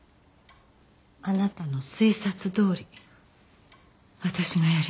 あなたの推察どおり私がやりました。